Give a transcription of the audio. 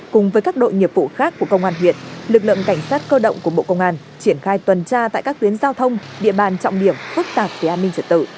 cùng với các đội nghiệp vụ khác của công an huyện lực lượng cảnh sát cơ động của bộ công an triển khai tuần tra tại các tuyến giao thông địa bàn trọng điểm phức tạp về an ninh trật tự